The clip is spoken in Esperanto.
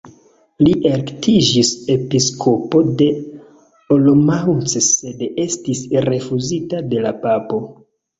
Li elektiĝis Episkopo de Olomouc sed estis rifuzita de la papo.